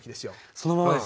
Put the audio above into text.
そのままですね。